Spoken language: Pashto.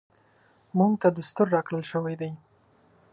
موږ ته دستور راکړل شوی دی .